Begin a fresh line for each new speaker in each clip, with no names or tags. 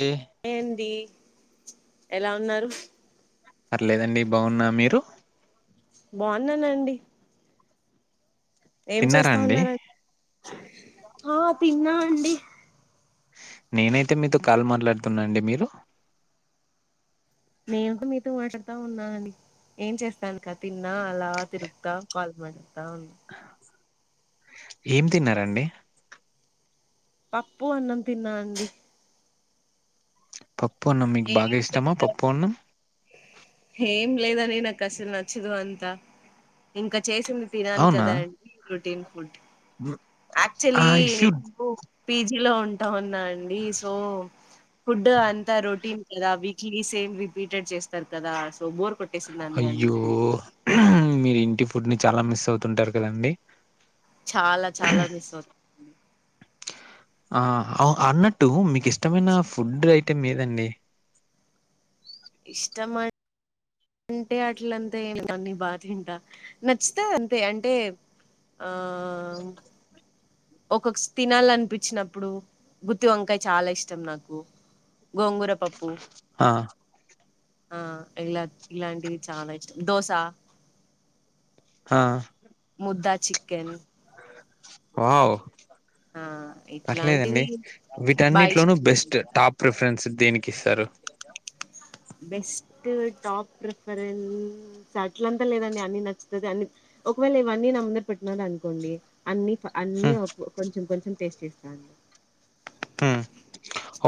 ఎ
ఏంది ఎలా ఉన్నారు
పర్లేదండి బాగున్నా మీరు
బాన్నానండి ఏం
తిన్నారా
చేస్తా
అండి
ఉన్నారండి ఆ తిన్నా అండి
నేనైతే మీతో కాల్ మాట్లాడుతున్నా అండి మీరు
నేను కూడా మీతో మాట్లాడతా ఉన్నానండి ఏం చేస్తాను ఇక తిన్నా అలా తిరుగుతా కాల్ మాట్లాడుతా ఉన్న
ఏం తిన్నారండి
పప్పు అన్నం తిన్నా అండి
పప్పు అన్నం మీకు బాగా
ఏం
ఇష్టమా పప్పు అన్నం
ఏమి లేదని నాక్ అసలు నచ్చదు అంతా ఇంకా చేసింది తినాలి
అవునా
కదా అండి ప్రోటీన్ ఫుడ్
మ్, ఆ
యాక్చువలీ
షుడ్
నేను పీజీలో ఉంటా ఉన్నా అండి సో ఫుడ్ అంతా రోట్ టీన్ కదా వీక్లీ సేమ్ రిపీటెడ్ చేస్తారు కదా సో బోర్ కొట్టేసిందండి
అయ్యో
అన్ని
మీరు ఇంటి ఫుడ్ ని చాలా మిస్ అవుతుంటారు కదండి
చాలా చాలా మిస్ అవుతు
ఆ ఔ అ అన్నట్టు మీకు ఇష్టమైన ఫుడ్ ఐటమ్ ఏదండి
ఇష్టమా అంటే అట్లంతా ఏమి లేదండి బా తింటా నచ్చితే అంతే అంటే ఆ ఒకొక్స్ తినాలనిపిచినప్పుడు గుత్తి వంకాయ చాలా ఇష్టం నాకు గోంగుర పప్పు
ఆ
ఆ ఇలా ఇలాంటివి చాలా ఇష్టం దోశ
హా
ముద్దా చికెన్
వావ్
ఆ
పర్లేదండి
ఇట్లాంటివి బాగా
వీటన్నిట్లోనూ
ఇష్టంగా
బెస్ట్
తింటా
టాప్ ప్రిఫరెన్స్ దేనికి ఇస్తారు
బెస్ట్ టాప్ ప్రిఫరెన్ అట్ల అంతా లేదండి అన్ని నచ్చుతది అన్ని ఒకవేళ ఇవన్నీ నాముందర పెట్టినారనుకోండి అన్ని అన్నీ
హ్మ్
[unintelligible] కొంచెం కొంచెం టేస్ట్ చేస్తాండి
అ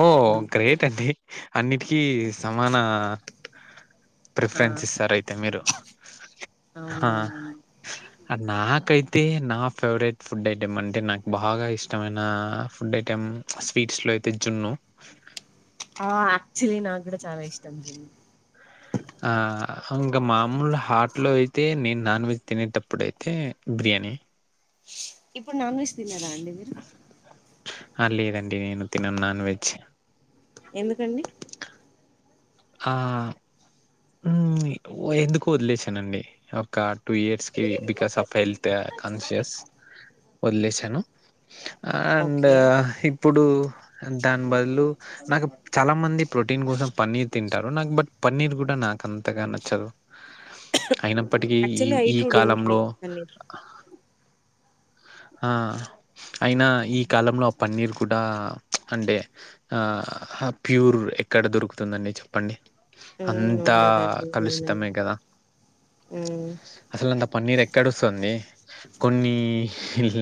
ఓ
హ్మ్
గ్రేట్ అండి అన్నిటికీ సమాన
ఆ
ప్రిఫరెన్స్ ఇస్తారు అయితే మీరు
అవునవునండి
అ నాకైతే నా ఫేవరెట్ ఫుడ్ ఐటెం అంటే నాకు బాగా ఇష్టమైన అ ఫుడ్ ఐటెం స్వీట్స్లో అయితే జున్ను
ఆ ఆక్చులీ నాగ్గూడా చాలా ఇష్టం జిని
ఆ హంగ మామూలు హట్లో అయితే నేను నాన్ వెజ్ తినేటప్పుడయితే బిర్యానీ
ఇప్పుడ్ నాన్ వెజ్ తినరా అండి మీరు
హ లేదండి నేను తినన్ నాన్ వెజ్
ఎందుకండి
హా ఉమ్ వొ ఎందుకో ఒదిలేశానండి ఒక టూ ఇయర్స్ కి బికాస్ ఆఫ్ హెల్త్ కాన్షియస్ ఒదిలేశాను ఆండ్
ఓకే
ఇప్పుడు దాన్ బదులు నాకు చాలా మంది ప్రోటీన్ కోసం పన్నీర్ తింటారు నాక్ బట్ పన్నీర్ గుర్ డ నాకంతగా నచ్చదు అయినప్పటికీ ఈవ్ ఈ కాలంలో
అన్నిర్
ఆ అయినా ఈ కాలంలో ఆ పన్నీర్ కూడా ప్చ్ అంటే ఆ హ ప్యూర్ ఎక్కడ దొరుకుతుందండి చెప్పండి
హ్మ్
అంతా
ఉండదండి
కలుషుతమే
అవునండి
గదా
హ్మ్.
అసలంత పన్నీర్ ఎక్కడొస్తుంది కొన్ని ఇల్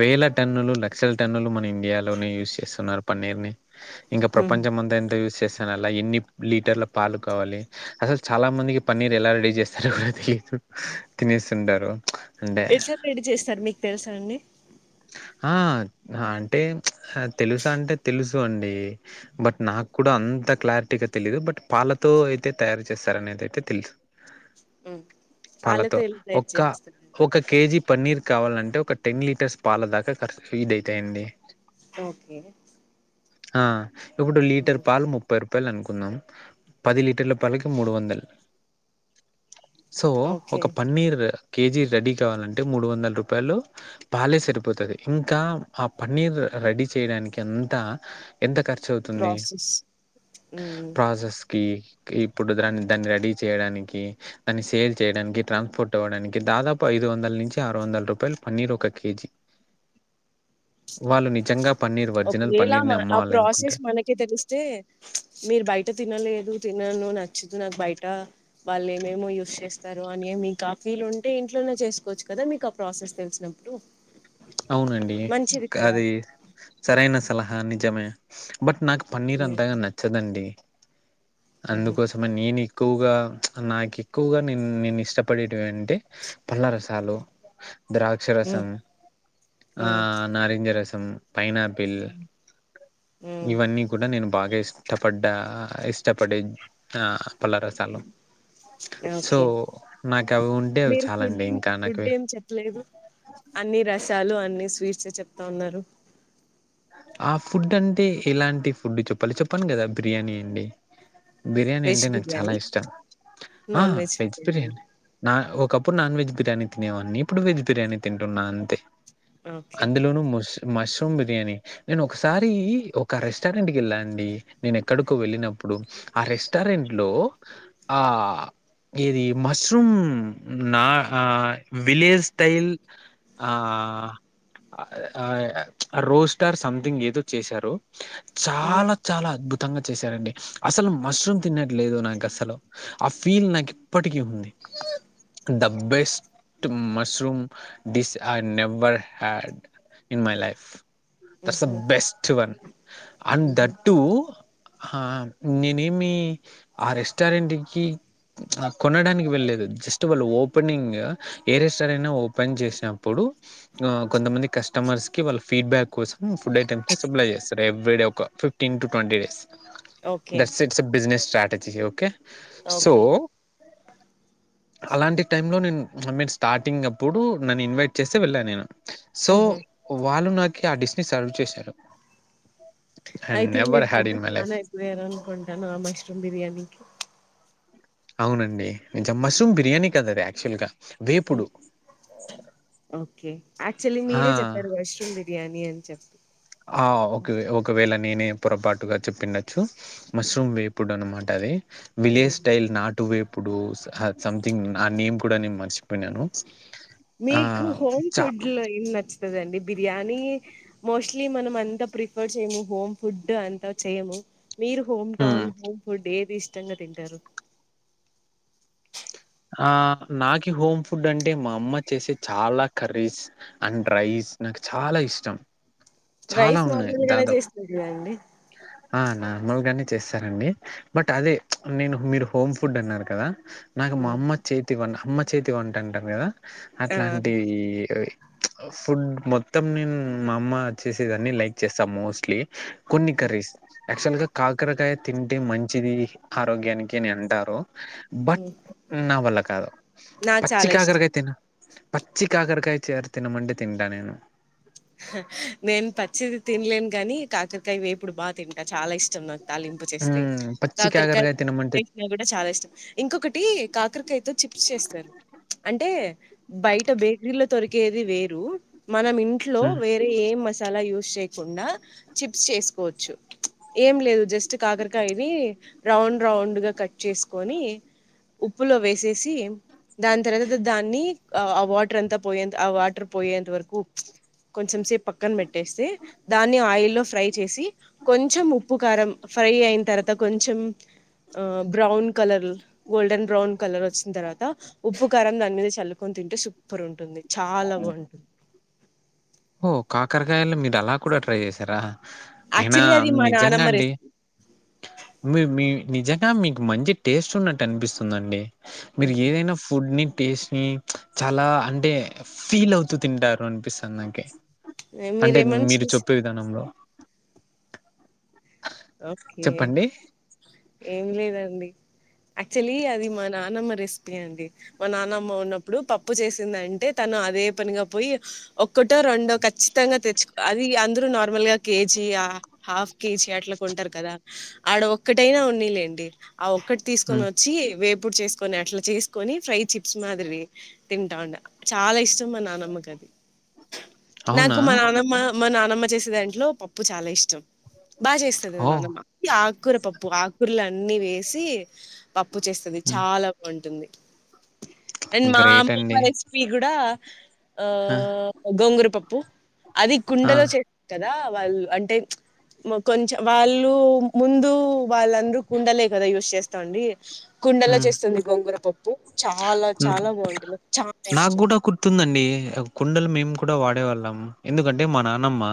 వేలా టన్నులు లక్షల టన్నులు మన ఇండియాలోనే యూజ్ చేస్తున్నారు పన్నీర్ ని ఇంక
హ్మ్.
ప్రపంచం అంత ఎంత యూజ్ చేస్ చ నల్లా ఎన్ని లీటర్ల పాలు కావాలి అసలు చాలా మందికి పన్నీర్ ఎలా రెడీ చేస్తారు కూడా తెలిదు తినేసుండారు
ఎట్లా రెడీ చేస్తారు మీకు తేల్సా అండి
ఆ హ అంటే అ తెలుసా అంటే తెలుసు అండి బట్ నాక్కూడా అంత క్లారిటీగా తెలిదు బట్ పాలతో అయితే తయారు చేస్తారనేదయితే తెల్స్ పాలతో
ఎల్లి తయారు
ఒక్క
చేస్తారండి
హొక కేజీ పన్నీర్ కావాలంటే ఒక టెన్ లీటర్స్ పాల దాకా ఖర్స్ ఫీ డయితాయండి
ఓకే
అ ఇపుడు లీటర్ పాలు ము ముప్పై రూపాయల్ అనుకుందాం పది లీటర్ల పాలకి మూడు ఒందల్ సో
ఓకే
ఒక పన్నీర్ ద కేజీ రెడీ కావాలంటే మూడు ఒందల్ రూపాయలు పాలేసరి పోతది ఇంకా ఆ పన్నీర్ రెడీ చేయడానిక్ అంతా ఎంత ఖర్చు అవు తుంది
ప్రాసెస్ మ్మ్
ప్రాసెస్ కి ఇప్పుడు దాన్ దాన్ని రెడీ చేయడానికి దాన్ని సేల్ చేయడానికి ట్రాన్స్పోర్ట్ అవ్వడానికి దాదాపు ఐదు ఒందల్ నుంచి ఆరు ఒందల్ రూపాయలు పన్నీర్ ఒక కేజీ వాళ్ళు నిజంగా పన్నీర్ ఒరిజినల్ పన్నీర్ ని అమ్మాలనుకుంటే
కి తెలిస్తే మీరు బయట తినలేదు తినను నచ్చదు నాక్ బయట వాళ్ ఏమేమో యూస్ చేస్తారు అని మీకు ఆఫీల్ ఉంటే ఇంట్లోనే చేసుకోవచ్చు కదా మీక్ ఆ ప్రాసెస్ తెలిసినప్పుడు
అవునండి
మంచిది కదా
కాది సరైన సలహా నిజమే బట్ నాకు పన్నీర్
మ్మ్
అంతగా నచ్చదండి
మ్మ్
అందుకోసం మ నేన్ ఎక్కువగా నాకెక్కువుగా నే నేను ఇష్టపడేటవి అంటే పల్లారస తాలో ద్రాక్ష
మ్మ్
రసం ఆ
మ్మ్
నారింజ రసం పైనాపిల్
మ్మ్
ఇవన్నీ కూడా నేను బాగా ఇష్టపడ్డ ఇష్టపడే అ పళ్లరసాలు సో
ఓకే
నాకవ్ ఉంటే అవి చాలండి ఇంకా నాకు
లేదు అన్ని రసాలు అన్ని స్వీట్స్ చెప్తా ఉన్నారు
ఆ ఫుడ్ అంటే ఎలాంటి ఫుడ్ చెప్పాలి చెప్పను గదా బిర్యానీ అండి బిర్యానీ
వెజ్
అంటే నాకు చాలా
బిర్యానీ
ఇష్టం ఆ వెజ్ బిర్యానీ నా ఒకప్పుడు నాన్ వెజ్ బిర్యానీ తినేవాన్నీ ఇప్పుడు వెజ్ బిర్యానీ తింటున్నా అంతే
ఓకే
అందులోను మోస్ మష్రూమ్ బిర్యానీ నేను ఒకసారి ఒక రెస్టారెంట్ కెళ్ళా అండి నేను ఎక్కడికో వెళ్ళినప్పుడు ఆ రెస్టారెంట్ లో అ ఎది మష్రూమ్ నా హ village style uh uh roast or something ఏదో చేశారు చాలా చాలా అద్భుతంగా చేశారండి అసలు మష్రూమ్ తిన్నట్లేదు నాకు అసలు ఆ ఫీల్ నాకు ఇప్పటికీ ఉంది the best mushroom dish I never had in my life that's the best one and that too హ నేనేమి ఆ రెస్టారెంటికీ అ కొనడానికి వెళ్లేదు జస్ట్ వాళ్ళ ఓపెనింగ్ ఏ రెస్టారెంట్ అయినా ఓపెన్ జేసినప్పుడు అ కొంతమంది కస్టమర్స్ కి వాళ్ళ ఫీడ్ బ్యాక్ కోసం ఫుడ్ ఐటమ్స్ ని సప్లై చేస్తారు ఎవ్రీ డే ఒక fifteen to twenty days that's it say business strategy okay so
okay
అలాంటి టైంలో నేన్ నేను స్టార్టింగ్ అప్పుడు నన్ను ఇన్వైట్ చేస్తే వెళ్ళాను నేను సో
ఊహు
వాళ్ళు నాకి ఆ డిష్ ని సర్వ్ చేశారు I never had in my life
where అనుకుంటాను ఆ మష్రూమ్ బిర్యానీకి
అవునండి నిజం మశ్రూమ్ బిర్యానీ కాదు అది యాక్చువల్ గా వేపుడు
ఓకే యాక్చువల్లీ
ఆ!
మీరే చెప్పారు మష్రూమ్ బిర్యానీ అని చెప్పి
ఆ ఓకే ఒకవేళ నేనే పొరపాటుగా చెప్పి ఉండొచ్చు మష్రూమ్ వేపుడు అనమాటది విలేయజ్ స్టైల్ నాట్ టు వేప్పుడు స హ సంథింగ్ ఆ నేమ్ కూడ నేను మర్చి పోయినాను ఆ
మీకు హోమ్
ఛ
ఫుడ్ లో ఏం నచ్చుతదండి బిర్యానీ మోస్ట్లీ మనం అంత ప్రిఫర్ చేయము హోమ్ ఫుడ్డ్ అంతా చేయము మీరు home
hmm.
Town home food ఏది ఇష్టంగ తింటరు
ఆ నాకి హోమ్ ఫుడ్ అంటే మా అమ్మ చేసే చాలా కర్రీస్ అండ్ రైస్ నాకు చాలా ఇష్టం చాలా
రైస్
ఉన్నాయి
నార్మల్ గానే
దాదాపు
చేస్తుంది కదండి
ఆ నర్మాల్గానే చేస్తారండి బట్ అదే నేను మీరు హోమ్ ఫుడ్ అన్నారు కదా నా మా అమ్మ చేతి వం అమ్మ చేతి వంట అంటరు గదా
ఆ
అట్లాంటీ ఫుడ్ మొత్తం నేను మా అమ్మ చేసేదన్ని లైక్ చేస్తాం మోస్ట్లీ కొన్ని కర్రిస్ యక్చుయల్గా కాకరాకాయ్ తింటే మంచిది ఆరోగ్యానికి అని అంటారు బట్
మ్
నా వల్ల కాదు పచ్చి
ఇష్టం
కాకరకాయ్ తినను పచ్చి కాకరకాయ చారు తినమంటే తింటా నేను
నేను పచ్చిది తిన్లేను కాని కాకరకాయ వేపుడు బా తింటా చాలా ఇష్టం నాకు తలిం పు చేస్తే
మ్మ్ పచ్చి
కాకరకాయ్
కాకరకాయ తినమంటే
ఫ్రై చికెన్ గూడ చాలా ఇష్టం ఇంకొకటి కాకరకాయతో చిప్స్ చేస్తారు అంటే బయట బేకరీలో తొరికేది వేరు మనం ఇం ట్లో వేరే ఏ మసాలా యూస్ చేయకుండా చిప్స్ చేసుకోవచ్చు ఏం లేదు జస్ట్ కాకరకాయనీ రౌండ్ రౌండ్గా కట్ చేసుకొని ఉప్పులో వేసేసీ దాని తర్వాత దాన్ని ఆ అ వాటర్ అంతా పోయేంత ఆ వాటర్ పోయేంత వరకు కొంచెం సేపు పక్కన పెట్టేస్తే దాన్ని ఆయిల్లో ఫ్రై చేసి కొంచెం ఉప్పు కారం ఫ్రై అయిన తరత కొంచెం ఆ brown colour golden brown colour వచ్చిన్ తర్వాత ఉప్పు కారం దాని మీద చల్లుకొని తింటే సు పర్ ఉంటుంది చాలా బావుంటుం
ఓ కాకరకాయల్లో మీరు అలా కూడ ట్రై చేసారా అయినా
యాక్చువల్లీ అది మా నానమ్మ
నిజంగండి
రెసిపీ
మి మీ నిజంగా మీకు మంచి టేస్ట్ ఉన్నట్టు అనిపిస్తుందండి మీరు ఏదైనా ఫుడ్ ని టేస్ట్ మ్ చాలా అంటే ఫీల్ అవుతూ తింటారు అనిపిస్తాది నాకే అంటె
మీరేమన్నా
మీరు
చేసి
చెప్పే విధానంలో [inaudible]
ఓకే
చెప్పండి?
ఏమి లేదండి యాక్చువల్లీ అది మా నానమ్మ రెసిపీ అండి మా నాన్నమ్మ ఉన్నప్పుడు పప్పు చేసిందంటే తను అదే పనిగా పోయి ఒక్కటో రెండో ఖచ్చితంగా తెచ్చుకో అది అందరు నార్మల్గ కేజీ ఆ హాఫ్ కేజి అట్ల కొంటారు కదా ఆడ ఒక్కటైనా ఉన్నిలేండి ఆ ఒక్కటి తీసుకొని
హ్మ్.
వచ్చి వేప్ పుడు చేసుకొని అట్ల చేసుకొని ఫ్రై చిప్స్ మాదిరి తింటావుండె చాలా ఇష్టం మా నానమ్మకది నాకు
అవునా?
మా నానమ్మ మా నానమ్మ చేసే దాంట్లో పప్పు చాలా ఇష్టం బాగా చే
ఓహ్!
నానమ్మ ఆకూర పప్పు ఆకూరలు అన్నీ వేసి పప్పు చేస్తది
హ్మ్.
చాలా ఉంటుంది అండ్ మా
గ్రేట్
అమ్మమ్మ
అండి.
రెస్పీ గూడా ఆ గోంగూర పప్పు అది
ఆ!
కుండలో చేస్ [inaudible] కదా వాళ్ళు అంటే మొ కొంచెం వాళ్ళు ముందు వాళ్ళందరు కుండలే కదా యూస్ చేస్తాంది కుండల
హ్మ్.
చేస్తుంది గోంగుర పప్పు చాలా చాలా బాగుంటది నాకు చాన ఇష్టం
తుందండి కుండలు మేము కూడా వాడేవాళ్ళం ఎందుకంటే మా నానమ్మ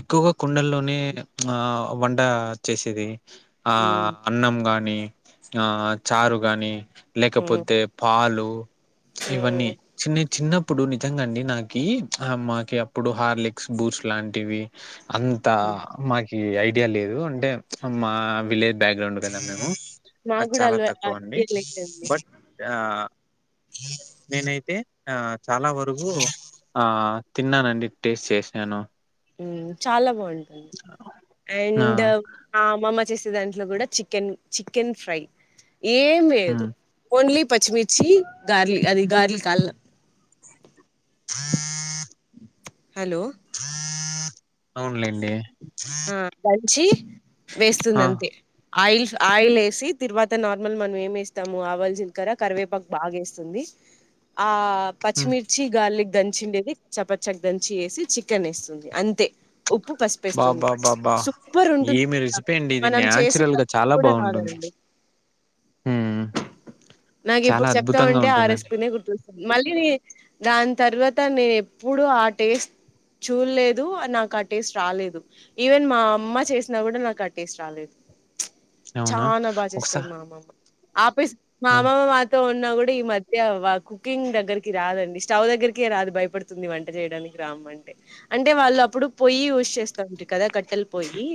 ఎక్కువగా కుండల్లోనే ఆ వండ చేసేది ఆ
హ్మ్.
అన్నం గాని ఆ చారు గాని
హ్మ్.
లేకపోతే పాలు ఇవన్నీ చిన్న చిన్న ఇప్పుడు నిజంగా అండి నాకి ఆ మ్మాకి అప్పుడు హార్లిక్స్ బూట్స్ లాంటివి అంతా
హ్మ్.
మా కి ఐడియా లేదు అంటే మా విలేజ్ బ్యాక్గ్రౌండ్ కదా మేము
నాకు
అది
కూడా
చాల
అలవా
తక్కువ అండి
ఐడియా లేదండి
బట్ ఆ నేనైతే ఆ చాలా వరకు ఆ తిన్నానండి టేస్ట్ చేసినాను
ఉమ్ చాలా బాగుంటుంది
ఆ
అండ్ ఆ అమ్మమ్మ చేసే దాంట్లో కూడా చికెన్ చికెన్ ఫ్రై ఏం లేదు
హ్మ్
ఓన్లీ పచ్చిమిర్చి గార్లి అది గార్లి కాళ్ళ హలో
అవునులేండి
ఆ దంచి వేస్తుంది
ఆ
అంతే ఆయిల్ ఆయిల్ ఏసి తిర్వాత నార్మల్ మనం ఏమేస్తాము ఆవాల్ జిలకర కరివేపాకు బాగా వేస్తుంది ఆ ఆ
హ్మ్
పచ్చిమిర్చి గార్లిక్ దంచి ఉండేది చపచ్చకి దంచి వేసి చికెన్ ఎస్తుంది అంతే ఉప్పు పసుపేస్తుంది
బ్బా బ్బా ఏమి రెసిపీ అండి ఇది
మనం చేసే
న్యాచురల్ గా
కర్రీ
చాలా
కూడా
బాగుంటుంది
రాదండి
ఉమ్
నాకు ఇప్పుడు చెప్తా ఉంటే ఆ రెసిపీ గుర్తోస్ మళ్ళీ దాని తర్వాత నేను ఎప్పుడు ఆ టేస్ట్ చూల్లెదు నాకు ఆ టేస్ట్ రాలేదు ఈవెన్ మా అమ్మ చేసినా కూడా నాకు ఆటేస్ట్ రాలేదు
అవునా
చానా బాగా
ఒకసా
చేస్తుంది మా అమ్మమ ఆపే మా
ఆ!
అమమ్మ మా తో ఉన్నా కూడా ఈ మధ్య వాకు కుకింగ్ దగ్గరకి రాదండి స్టవ్ దగ్గరికే రాదు భయపడుతుంది వంట చేయడానికి రామ్మంటే అంటే వాళ్ళు అప్పుడు పొయ్యి యూస్చేస్తా అంటరు కదా కట్టెలు పోొయి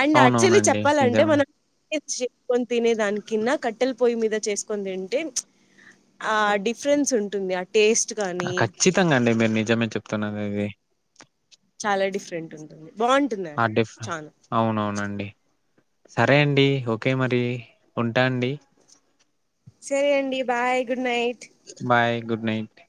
అండ్ యాక్చువల్లీ
అవునవునండి
చెప్పాలంటే
నిజమే
మనం చేసుకొని తినే దాని కిన్నా కట్టెలు పొయ్యి మీద చేసుకుని తింటే ఆ డిఫరెన్ ఉంటుంది ఆ టేస్ట్ కానీ
ఖచ్చితంగా అండి మీరు నిజమే చెప్తున్నరు ఇది
చాలా డిఫరెంటు ఉంటది
ఆ డిఫరె అవునవునండి సరే అండి ఓకే మరి ఉంటా అండి
సరే అండి bye good night
bye good night